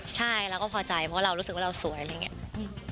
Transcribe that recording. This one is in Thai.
ใช่เราก็พอใจเพราะเรารู้สึกว่าเราสวยอะไรอย่างนี้